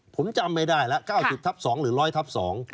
ผมจำไม่ได้แล้ว๙๐ทับ๒หรือ๑๐๐ทับ๒